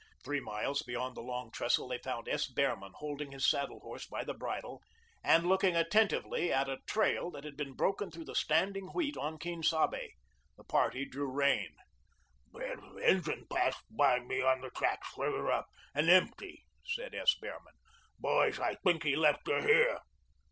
Three miles beyond the Long Trestle, they found S. Behrman holding his saddle horse by the bridle, and looking attentively at a trail that had been broken through the standing wheat on Quien Sabe. The party drew rein. "The engine passed me on the tracks further up, and empty," said S. Behrman. "Boys, I think he left her here."